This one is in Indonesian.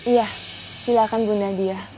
iya silahkan bunda diah